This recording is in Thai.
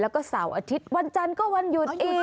แล้วก็เสาร์อาทิตย์วันจันทร์ก็วันหยุดอีก